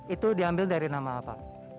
itu diambil dari nama apa